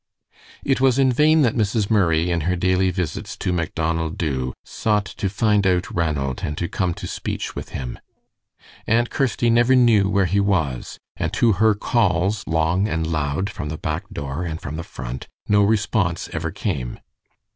It was in vain that Mrs. Murray, in her daily visits to Macdonald Dubh, sought to find out Ranald and to come to speech with him. Aunt Kirsty never knew where he was, and to her calls, long and loud, from the back door and from the front, no response ever came.